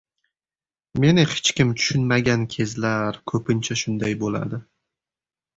Meni hech kim tushunmagan kezlar ko‘pincha shunday bo‘ladi.